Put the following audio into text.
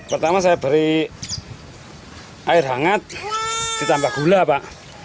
pertama saya beri air hangat ditambah gula pak